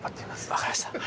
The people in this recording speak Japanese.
分かりました。